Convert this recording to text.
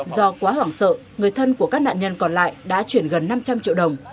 do quá hoảng sợ người thân của các nạn nhân còn lại đã chuyển gần năm trăm linh triệu đồng